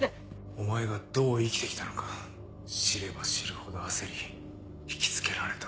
お前がどう生きて来たのか知れば知るほど焦り引き付けられた。